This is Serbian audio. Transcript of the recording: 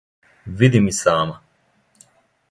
Видим и сама.